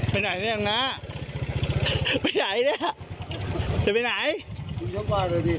ไปไหนเนี่ยน้ำน้ำไปไหนเนี่ยจะไปไหนไปบินทะบาทเลยสิ